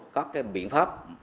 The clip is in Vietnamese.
có cái biện pháp